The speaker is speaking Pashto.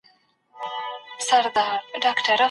خدای هر چا ته خپل رزق ورکوي.